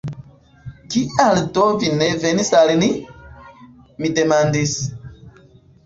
Kial do vi ne venis al ni? mi demandis.